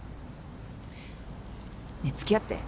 ねえ付き合って。